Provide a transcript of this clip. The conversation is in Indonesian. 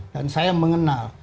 dan saya mengenal